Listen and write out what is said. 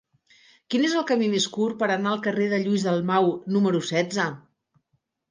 Quin és el camí més curt per anar al carrer de Lluís Dalmau número setze?